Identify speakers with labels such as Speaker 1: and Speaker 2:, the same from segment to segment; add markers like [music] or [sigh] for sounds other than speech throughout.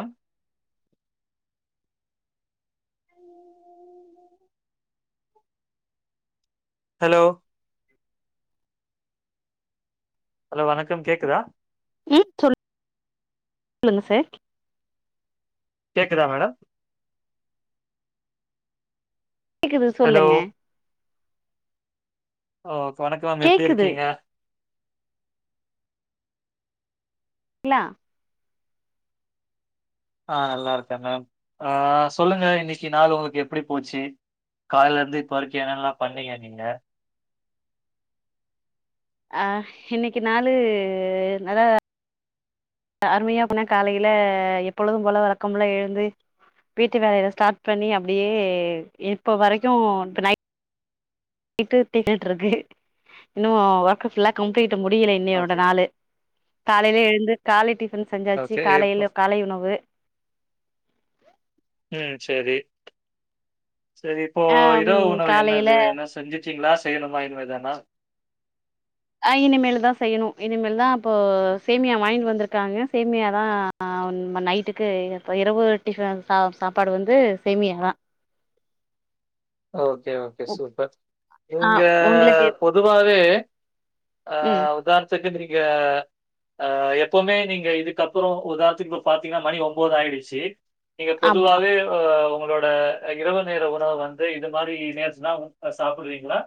Speaker 1: அ hello hello வணக்கம் கேக்குதா
Speaker 2: ம் சொல் லுங்க சார்
Speaker 1: கேக்குதா மேடம்
Speaker 2: கேக்குது
Speaker 1: ஹலோ
Speaker 2: சொல்லுங்க
Speaker 1: ஓ வணக்கம் மேம் எப்டி
Speaker 2: கேக்குது
Speaker 1: இருக்கீங்க
Speaker 2: ல
Speaker 1: ஆ நல்லா இருக்க மேம் ஆ சொல்லுங்க இன்னைக்கு நாள் உங்களுக்கு எப்டி போச்சி கால்ல இருந்து இப்ப வரைக்கு என்னல்லா பண்ணீங்க நீங்க
Speaker 2: ஆ இன்னைக்கு நாளு நல்லா அருமையா போன காலைல எப்பொழுதும் போல வழக்கம்போல எழுந்து வீட்டு வேலையில ஸ்டார்ட் பண்ணி அப்டியே இப்ப வரைக்கு நைட் நைட்டு டிஃபன் இருக்கு இன்னு ஒர்க்கு ஃபுல்லா கம்ப்ளீட் முடியல இன்னையோட
Speaker 1: ஓகே
Speaker 2: நாளு காலையில எழுந்து காலை டிஃபன் செஞ்சாச்சி
Speaker 1: ஓகே இப்போ
Speaker 2: காலையில காலை உணவு
Speaker 1: ம் சேரி செரி இப்போ
Speaker 2: ஆ ம்
Speaker 1: இரவு உணவு
Speaker 2: காலையில
Speaker 1: என்னது என்ன செஞ்சுடீங்களா செய்யணுமா இனிமேதானா
Speaker 2: அ இனிமேல் தா செய்யணு இனிமேல் தா அப்போ சேமியா வாங்கிட் வந்திருக்காங்க சேமியாதா ஆ நைட்டுக்கு இப்போ இரவு டிஃபன் சா சாப்பாடு வந்து சேமியா தா
Speaker 1: ஓகே ஓகே சூப்பர்
Speaker 2: ஆ
Speaker 1: இங்க
Speaker 2: உங்களுக்கு
Speaker 1: பொதுவாவே ஆ
Speaker 2: ம்
Speaker 1: உதாரணத்துக்கு நீங்க அ எப்பவுமே நீங்க இதுக்கப்புறோ உதாரணத்துக் இப்ப பாத்தீங்னா மணி ஒம்போது ஆயிடுச்சு நீங்க
Speaker 2: ஆமா
Speaker 1: பொதுவாவே அ உங்களோட இரவு நேர உணவு வந் து இது மாரி நேர்ச்சினா சாப்டுவீங்களா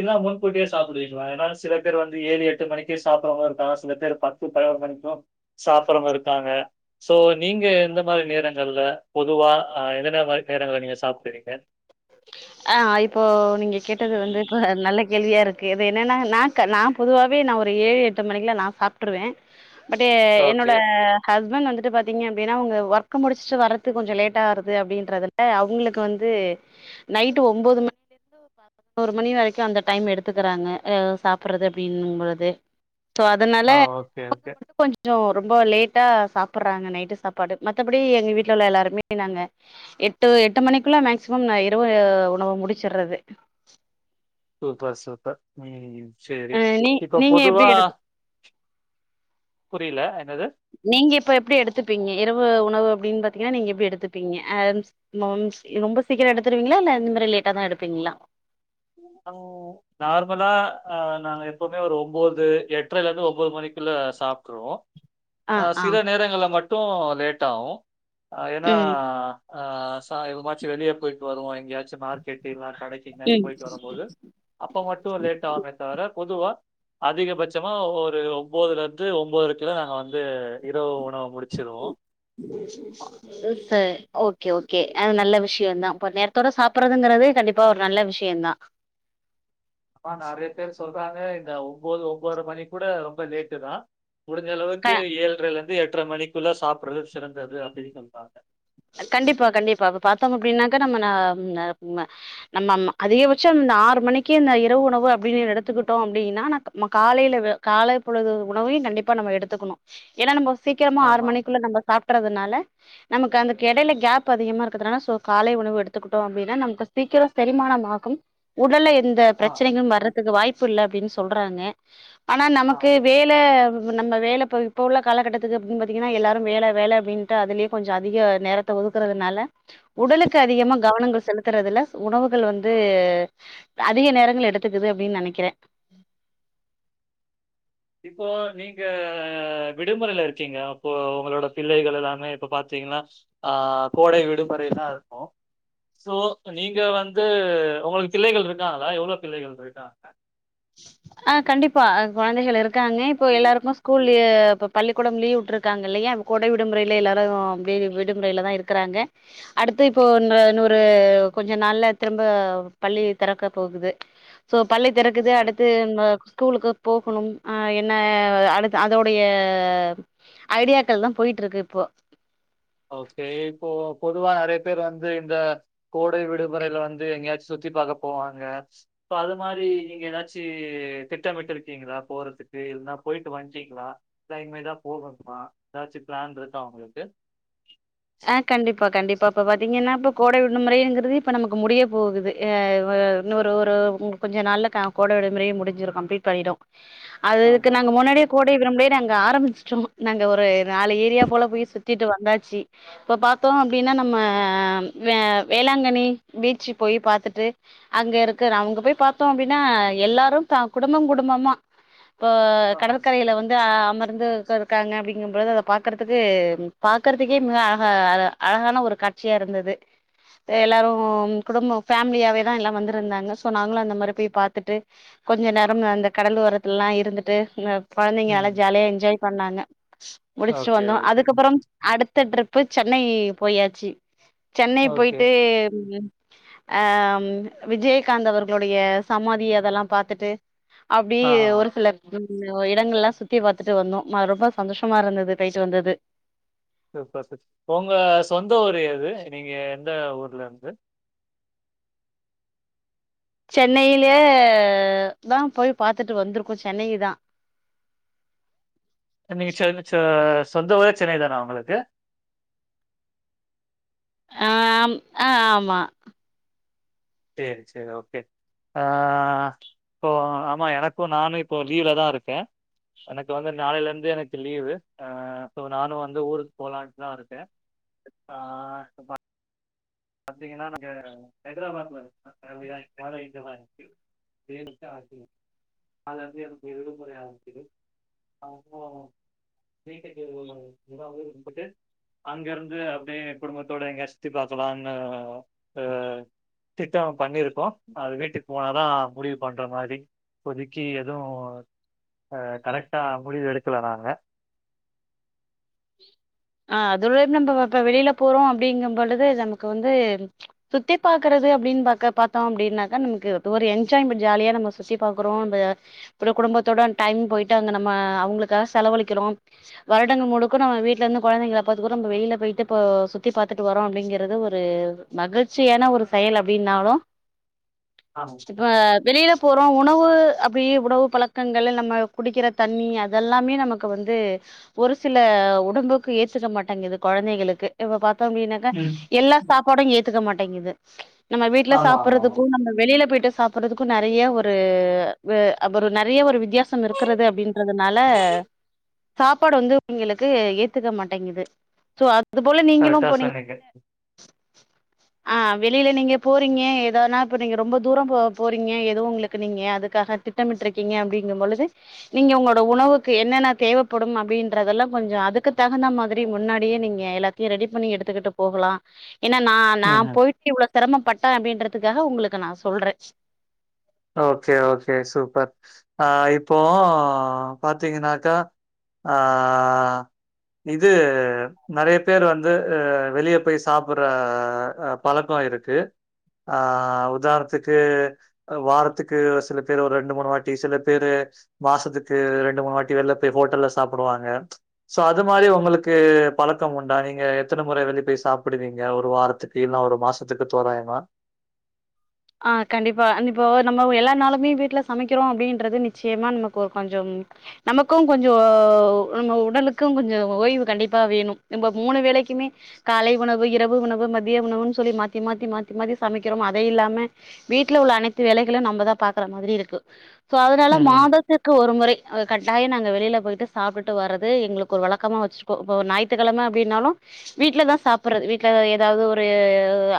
Speaker 1: இல்ல முன்கூட்டியே சாப்டுவீங்களா ஏனா சில பேர் வந்து ஏழு எட்டு மணிக்கே சாப்பட்றவங்களு இருக்காங்க சில பேர் பத் த்து பதினொரு மணிக்கு சாப்பட்றவங்க இருக்காங்க சோ நீங்க எந்த மாரி நேரங்கள்ல பொதுவா ஆ என்னன்ன மாரி நேரங்கள்ல நீங்க சாப்டுவீங்க
Speaker 2: ஆ இப்போ நீங்க கேட்டது வந்து இப்ப நல்ல கேள்வியா இருக் கு இது என்னன்ன நா க நா பொதுவாவே நா ஒரு ஏழு எட்டு மணிக்கல்லா நா சாப் விட்ருவே பட்டு
Speaker 1: ஓகே.
Speaker 2: என்னோட ஹஸ்பண்ட் வந்துட்டு பாத்தீங்க அப்டினா அவங்க ஒர்க்கு முடிச்சுட் வரதுக் கொஞ்சோ லேட்டாகருது அப்டின்றதுல அவுங்குளுக் வந்து நைட்டு ஒம்போது ம ஒரு மணி வரைக்கு அந்த டைம் எடுத்துக்கறாங்க அ சாப்பட்றது அப்டிங்பொழுது சோ அதனால
Speaker 1: ஆ ஓகே,
Speaker 2: [inaudible] கொஞ்
Speaker 1: ஓகே.
Speaker 2: கொஞ்சோ ரொம்ப லேட்டா சாப்பட்றாங்க நைட்டு சாப்பாடு மத்தபடி எங்க வீட்ல உள்ள எல்லாருமே நாங்க எட்டு எட்டு மணிக்குள்ள மேக்சிமம் நா இரவு உணவு முடிச்சட்றது
Speaker 1: சூப்பர் சூப்பர் ம் சேரி
Speaker 2: அ நீ
Speaker 1: இப்போ
Speaker 2: நீங்க
Speaker 1: பொதுவா
Speaker 2: எப்டி எடுத்
Speaker 1: புரில என்னது
Speaker 2: நீங்க இப்ப எப்டி எடுத்துப்பீங்க இரவு உணவு அப்டின் பாத்தீங்கனா நீங்க எப்டி எடுத்துப்பீங்க [unintelligible] மாம்ஸ் ரொம்ப சீக்கரோ எடுத்துருவீங்களா இல்ல இந்த மாரி லேட்டா தா எடுப்பீங்களா
Speaker 1: ஆ நார்மலா ஆ நாங்க எப்பவுமே ஒரு ஒம்போது எட்ரை இருந்து ஒம்புது மணிக்குள்ள சாப் ட்ருவோ
Speaker 2: ஆ
Speaker 1: அ
Speaker 2: ஆ
Speaker 1: சில நேரங்கள்ள மட்டு லேட் ஆகு அ ஏனா
Speaker 2: ம்
Speaker 1: ஆ ச எவமாச்சு வெளிய போயிட்டு வருவா எங்கயாச்சு மார்க்கெட்டு இல்லனா கடைக்கு என்னாச்சு
Speaker 2: ம்
Speaker 1: போயிட்டு வரும்போது அப்ப மட்டு லேட் ஆகுமே தவர பொதுவா அதிகபட்சமா ஒரு ஒம்போதுல இருந்து ஒம்போதர கிலோ நாங்க வந்து இரவு உணவ முடிச்ருவோ
Speaker 2: [inaudible] [inaudible] ஓகே ஓகே அது நல்ல விஷ்யோந்தா பட் நேரத்தோட சாப்பட்றதுங்கறதே கண்டிப் ப்ப ஒரு நல்ல விஷ்யந்தா
Speaker 1: ப நெறைய பேரு சொல்றாங்க இந்த ஒம்போது ஒம்போத்ர மணி கூட ரொம்ப லேட்டு தா
Speaker 2: க
Speaker 1: முடிஞ்சளவுக்கு ஏழ்ரைலிருந்து எட்ற்ற மணிக்குல்ல சாப்றது சிறந்தது அப்டின் சொல்வாங்க
Speaker 2: கண்டிப்பா கண்டிப்பா இப்போ பாத்தோ அப்டின்னாக்க நம்ம நாம் நம்ம நம்மம்மா அதிகபட்சோ இந்த ஆறு மணிக்கு இந்த இரவு உணவு அப்டின் எடுத்துக்குட்டோ அப்டினா நா க நம்ம காலைல வே காலைப் பொழுது உணவயு கண்டிப்பா நம்ம எடுத்துக்குணு ஏனா நம்ம சீக்கிரமா ஆறு
Speaker 1: ஆமா.
Speaker 2: மணிக்குள்ள நம்ம சாப்ட்றதுனால நமக்கு அந்த கெடையில கேப் அதிகமா இருக்கறதுனால சோ காலை உணவு எடுத்துக்குட்டோ அப்டினா நமக்கு சீக்ரோ செரிமானம்மாகும் உடல்ல எந்த
Speaker 1: ஆ,
Speaker 2: பிரச்சனைகளு வர்றதுக்கு வாய்ப்பு இல்ல அப்டின் சொல்றாங்க ஆனா
Speaker 1: ஆ.
Speaker 2: நமக்கு வே இல்ல நம்ம வேல இப்ப இப்போ உள்ள காலகட்டத்துக்கு அப்டின் பாத்தீங்கனா எல்லாரு வேல வேல அப்டின்ட்டு அதுலயே கொஞ்சோ அதிக நேரத்த ஒதுக்றதுனால உடலுக்கு அதிகமா கவனங்கள் செலுத் த்துறதுல உணவுகள் வந்து அதிக நேரங்கள் எடுத்துக்குது அப்டின் நெனைக்கிறே
Speaker 1: இப்போ நீங்க விடுமுறைல இருக்கீங்க அப்போ உங்களோட பிள்ளைகள் எல்லாமே இப்ப பாத்தீங்னா ஆ கோடை விடுமுறைலா இருக்கு சோ நீங்க வந்து உங்களுக்கு பிள்ளைகள் இருக்காங்ளா எவ்ளோ பிள்ளைகள் ருக்காங்க
Speaker 2: அ கண்டிப்பா குழந்தைகள் இருக்காங்க இப்போ எல்லாருக்கு ஸ்கூல் ஏ இப்ப பள்ளிக்கூடம் லீவ் உட்ருக்காங்க இல்லையா இப்ப கோடை விடுமுறைல எல்லாரு அப்டே விடுமுறைலதா இருக்குறாங்க அடுத்து இப்போன்னு இன்ற இன்னொரு கொஞ்சோ நாள்ல திரும்ப பள்ளி தெறக்க போகுது சோ பள்ளி
Speaker 1: ஓகே.
Speaker 2: தெறக்குது அடுத்து எங்க ஸ்கூலுக்கு போகுணு அ என்ன அடுத்து அதோடைய ஐடியாக்கள் தா போயிட்ருக்கு இப்போ
Speaker 1: ஓகே இப்போ பொதுவா அரே பேர் வந்து இந்த கோடை விடுமுறைல வந்து எங்கயாச் சுத்தி பாக்க போவாங்க இப்போ அது மாரி இங்க எதாச்சு திட்டமிட்டுருக்கீங்ளா போறதுக்கு இல்னா போயிட்டு வந்ட்டீங்ளா தா இன்மேதா போகணுமா எதாச்சு ப்ளேன் இருக்கா ஒங்களுக்கு
Speaker 2: அ கண்டிப்பா கண்டிப்பா இப்ப பாத்தீங்கன்னா இப்ப கோடை வின்னுமுறைங்குறது இப்ப நமக்கு முடிய போகுது அ வு இன்ன ஓரு ஒரு கொஞ்ச நாள்ல கே கோட விடுமுறையு முடிஞ்ரு கம்ப்லீட் பயிடு அது இதுக்கு
Speaker 1: ஆமா,
Speaker 2: நாங்க
Speaker 1: ஆமா.
Speaker 2: முன்னாடியே கோடை விடுமுறையே நாங்க ஆரமிச்சுட்டோ நாங்க ஒரு நாலு ஏரியா போல போய் சுத்திட்டு வந்தாச்சு இப்ப பாத்தோ அப்டினா நம்ம வே வேளாங்கணி பீச்சு போய் பாத்துட்டு அங்க இருக்காரு அவுங்க போய் பாத்தோ அப்டினா எல்லாரு தா குடும்பங் குடும்பமா போ
Speaker 1: ஆஹா.
Speaker 2: கடற்கரையில வந்து அமர்ந்து கருக்காங்க அப்டிங்கும்பொழுது அத பாக்கற்துக்கு பாக்கற்துக் ஏமு அழகா அழகான ஒரு காட்சியா இருந்தது ஏ எல்லாரு குடும்போ ஃபேம்லியாவேதா எல்லா வந்துருந்தாங்க சோ நாங்ளு அந்த மாரி போய் பாத்துட்டு கொஞ்ச நேரம் அந்த கடல் ஒரத்துலலா இருந்துட்டு இந்த கொழந்தைங்கா நல்லா
Speaker 1: ம்.
Speaker 2: ஜாலியா என்ஜாய் பண்ணாங்க முடிச்சுட்டு
Speaker 1: ஓகே,
Speaker 2: வந்தோ
Speaker 1: ஓகே,
Speaker 2: அதுக்கப்புரம் அடுத் த்த ட்ரிப்பு சென்னை போயாச்சு சென்னை
Speaker 1: ஓகே.
Speaker 2: போயிட்டு அ விஜயகாந்த் அவர்களுடைய சமாதி அதல்லா பாத்துட்டு அப்டி
Speaker 1: ஆ, ஆ.
Speaker 2: ஒரு சில ம் உ இடங்கள்ல்லா சுத்தி பாத்தட்டு வந்தோ ரொம்ப சந்தோஷமா இருந்தது பேய்ட்டு வந்தது
Speaker 1: சூப்பர் சர் ஒங்க சொந்த ஊர் எது நீங்க எந்த ஊர்லந்து
Speaker 2: சென்னையிலே தா போய் பாத்துட்டு வந்துருகோ சென்னை தா
Speaker 1: நீ ச்ச நிச்ச சொந்த ஊரே சென்னை தானா உங்களுக்கு
Speaker 2: அ ஆம் அ ஆமா
Speaker 1: சேரி சேரி ஓகே ஆ இப்போ ஆமா எனக்கு நானு இப்போ லீவ்லதா இருக்கே எனக்கு வந்து நாளைலேர்ந்து எனக்கு லீவு அ சோ நானு வந்து ஊருக்கு போலான்னு தா இருக்க ஆ அப்பா பாத்தீங்கன்னா இங்க ஹைத்ராபாத்ல வந்து ஃபேம்லியா [unintelligible] [unintelligible] அது அப்டே வந்து விடுமுறை அவற்துக்கு அவுங்குளு [unintelligible] அங்க இருந்து அப்டியே குடும்பத்தோட எங்கயா சுத்தி பாத்துலான்னு அ திட்டோ பண்ணிருக்கோ அது வீட்டுக் போனாதா முடிவு பண்ற மாரி இப்போதிக்கி எது அ கரெக்டா முடிவு எடுக்கல நாங்க
Speaker 2: அ அதோட நம்மப்ப வெளியில போறோ அப்டிங்கும் பொழுது நமக்கு வந்து சுத்தி பாக்குறது அப்டின்னு பாக்க பாத்தோ அப்டினாக்கா நமக்கு அது ஒரு என்ஜாய்மெண்ட் ஜாலியா நம்ம சுசிப் பாக்குறோ அந்த அப்றோ குடும்பத்தோட டைம் போயிட்டு அங்க நம்ம அவுங்களுக்காக செலவழிக்கிறோ வருடங்க முழு க்க நம்ம வீட்ல இருந்து கொழந்தைங்கள பாத்துக்குறோ நம்ம வெளியில போயிட்டு இப்போ சுத்தி பாத்துட்டு வரோ அப்டிங்குறது ஒரு சகச்சியான ஒரு செயல் அப்டின்னாலோ
Speaker 1: ஆமா
Speaker 2: ப்ப வெளியில போறோ உணவு அப்டியே உணவு பழக்கங்கள் நம்ம குடிக்கிற தண்ணி அதெல்லாமே நமக்கு வந்து ஒரு சில உடம்புக்கு ஏத்துக்க மாட்டாங்கிது கொழந்தைகளுக்கு இப்ப பாத்தோ அப்டின்னாக்கா
Speaker 1: ம்.
Speaker 2: எல்லா சாப் பாடு ஏத்துக்க மாட்டேங்குது நம்ம வீட்டுல
Speaker 1: ஆமா ஆமா ஆமா
Speaker 2: சாப்புறதுக்கு நம்ம வெளியில போயிட்டு சாப் புறதுக்கு நெறைய ஒரு அபுரோ நெறைய ஒரு வெ வித்தியா சம் இருக்கிறது அப்டின்றதுனால சாப்பாடு வந்து நீங்களுக்கு ஏத்துக்க மாட்டேங்குது சோ அது போல நீங்களு
Speaker 1: கரெக்டா
Speaker 2: போனீங்
Speaker 1: சொன்னீங்க
Speaker 2: அ வெளியில நீங்க போறீங்க ஏதனா இப்போ நீங்க ரொம்ப தூரோ போ போறீங்க எதுவு உங்களுக்கு நீங்க அதுக்காக திட்டமிட்டுருக்கீங்க அப்டிங்கும் பொழுது நீங்க உங்களோட உணவுக்கு என்னென்ன தேவப்படும் அப்டி ன்றதெல்லா கொஞ்சோ அதுக்கு தகுந்த மாதிரி முன்னாடியே நீங்க எல்லாத்தையோ ரெடி பண்ணி எடுத்துக்கிட்டு போகலா ஏன்னா நா நா
Speaker 1: ம்
Speaker 2: போயிட்டு இவ்ளோ சிரமப்பட்ட அப்டின்றதுக்காக உங்களுக்கு நா சொல்ற
Speaker 1: ஓகே ஓகே சூப்பர் அ இப்போ பாத்தீங்கன்னாக்கா ஆ இது நெறைய பேர் வந்து வெளியப் போய் சாப்புற பழக்கோ இருக்கு அ உதார்ண்த்துகு வாரத்துக்கு ஒரு சில பேர் ஒரு ரெண்டு மூணு வாட்டி சில பேரு மாசத்துக்கு ரெண்டு மூணு வாட்டி வெல்லப் போய் ஹோட்டல்ல சாப்டுவாங்க சோ அது மாரி உங்களுக்கு பழக்கோ உண்டா நீங்க எத்தன முற வெளியப் போய் சாப்பிடுவீங்க ஒரு வாரத்துக் தீன்னா ஒரு மாசத்துக்கு தோராயமா
Speaker 2: அ கண்டிப்பா இப்போ நம்ம எல்லா நாளுமே வீட்ல சமைக்கிறோ அப்டின்றது நிச்சயமா நமக்கு ஒரு கொஞ்சம் நமக்கோ கொஞ்சோ நம்ம உடலுக்கு கொஞ்சோ ஓய்வு கண்டிப்பா வேனு நம்ம மூணு வேலைக்குமே காலை உணவு இரவு உணவு மதிய உணவுன்னு சொல்லி மாத்தி மாத்தி மாத்தி மாத்தி சமைக்கிறோமா அதே இல்லாம வீட்ல உள்ள அனைத்து வேலைகளு நம்மதா பாக்குற மாரி இருக்கு சோ அதனால
Speaker 1: ம்.
Speaker 2: மாத திர்க்கு ஒரு முறை கட்டாயோ நாங்க வெளியில போயிட்டு சாப்புட்டு வரது எங்களுக்கு ஒரு வழக்கமா வச்சுருக் கோ ஒரு ஞாயித்துக்கிழம அப்டின்னாலோ வீட்லதா சாப்புறது வீட்ல ஏதாவுது ஒரு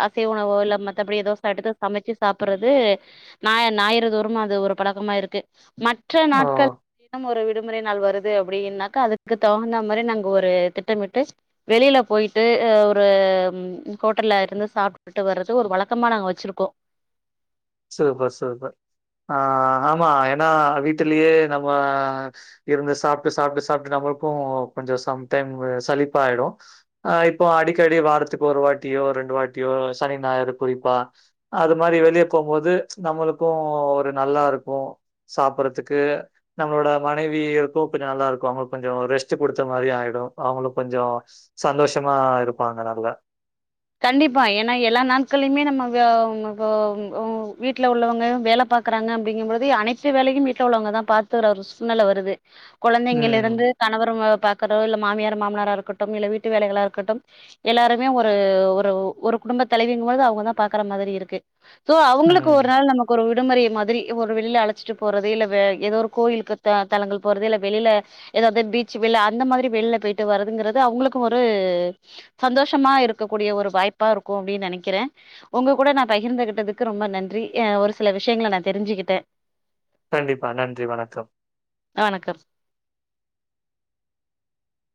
Speaker 2: அசைவ உணவோ இல்ல மத்தபடி ஏதோ சாட்டு தா சமச்சு சாப்புறது ஞா ஞாயிறு தோறு அது ஒரு பழக்கமா இருக்கு மற்ற
Speaker 1: ஓ!
Speaker 2: நாட்கள் இன்னும் ஒரு விடுமுறை நாள் வருது அப்டின்னாக்கா அதுக்கு தகுந்த மாரி நாங்க ஒரு திட்டமிட்டு வெளியில போயிட்டு ஒரு ஹோட்டல்ல இருந்து சாப் ட்டு வர்றது ஒரு வழக்கமா நாங்க வச்சிருக்கோ
Speaker 1: சூப்பர் சூப்பர் ஆ ஆமா ஏன்னா வீட்டுலயே நம்ம இருந்து சாப்ட்டு சாப்ட்டு சாப்ட்டு நம்மளுக்கு கொஞ்சோ சம்டைம் சளிப்பாயிடு ஆ இப்போ அடிக்கடி வாரத்துக்கு ஒரு வாட்டியோ ரெண்டு வாட்டியோ சனி ஞாயரு குறிப்பா அது மாரி வெளியே போம்போது நம்மளுக்கு ஒரு நல்லா இருக்கு சாப்ட்றதுக்கு நம்மளோட மனைவி இருக்கு கொஞ்சோ நல்லா இருக்கு அவுங்களுக்கு கொஞ்சோ ரெஸ்ட் குடுத்த மாரி ஆயிடு அவுங்களு கொஞ்சோ சந்தோஷமா இருப்பாங்க நல்ல
Speaker 2: கண்டிப்பா ஏனா எல்லா நாட்களயுமே நம்ம வே வ ஓ வீட்ல உள்ளவுங்க வேல பாக் குறாங்க அப்டிங்கு பொழுது அனைத்து வேலையு வீட்ல உள்ளவுங்கதா பாத்துற ஒரு சூழ்நெல வருது கொழந்தைங்களி
Speaker 1: ம்,
Speaker 2: ருந்து கணவரு வ பாக்குறோ இல்ல மாமியாரு மாமனாரா இருக்கட்டும் இல்ல வீட்டு வேலைகளா இருக்கட்டும் எல்லாருமே ஒரு ஒரு ஒரு குடும்ப தலைவிங் பொழுது அவுங்க தா பாக்குற மாதிரி இருக்கு சோ அவுங்களுக்கு
Speaker 1: ம்.
Speaker 2: ஒரு நாள் நமக் கொரு விடுமுறை மாதிரி ஒரு வெளில அழைச்சிட்டு போறது இல்ல வே எதோ ஒரு கோயிலுக்கு த தலங்கள் போறது இல்ல வெளில ஏதாவது பீச் வெல அந்த மாதிரி வெளில போயிட்டு வர்றதுங்கிறது அவுங்களுக்கு ஒரு சந்தோஷமா இருக்கக்கூடிய ஒரு வாய்ப்பா ருக்கு அப்டின்னு நெனைக்கிறே ஒங்க கூட நா பகிர்ந்துகிட்டதுக்கு ரொம்ப நன்றி ய ஒரு சில விஷயங்கள நா தெரிஞ்சுகிட்டே
Speaker 1: கண்டிப்பா நன்றி வணக்கம்
Speaker 2: வணக்கம்